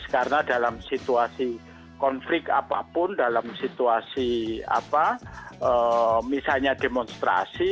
karena dalam situasi konflik apapun dalam situasi apa misalnya demonstrasi